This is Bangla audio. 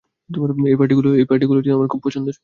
এই পার্টিগুলো আমার খুব পছন্দের।